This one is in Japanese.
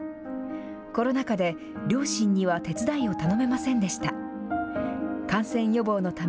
コロナ禍で、両親には手伝いを頼めませんでした。